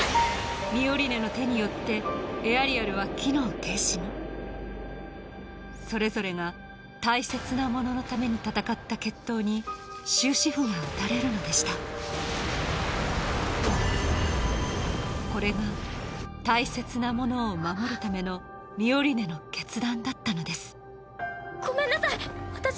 ミオリネの手によってエアリアルは機能停止にそれぞれが大切なもののために戦った決闘に終止符が打たれるのでしたこれが大切なものを守るためのミオリネの決断だったのですごめんなさい私。